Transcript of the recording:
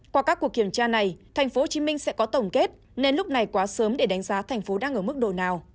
qua các cuộc kiểm tra này tp hcm sẽ có tổng kết nên lúc này quá sớm để đánh giá thành phố đang ở mức độ nào